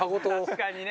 確かにね。